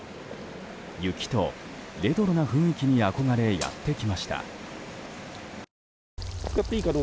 雪とレトロな雰囲気に憧れやってきました。